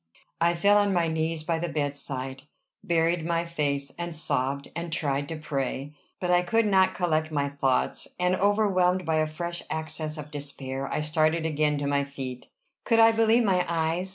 I fell on my knees by the bedside, buried my face, and sobbed, and tried to pray. But I could not collect my thoughts; and, overwhelmed by a fresh access of despair, I started again to my feet. Could I believe my eyes?